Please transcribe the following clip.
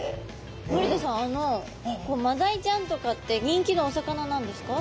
森田さんマダイちゃんとかって人気のお魚なんですか？